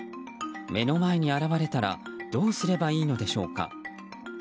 目の前に現れたらどうすればいいのでしょうか。